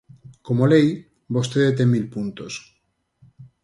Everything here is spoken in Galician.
Como lei, vostede ten mil puntos.